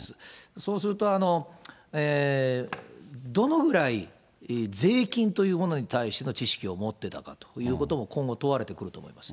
そうすると、どのぐらい税金というものに対しての知識を持ってたかということも、今後問われてくると思います。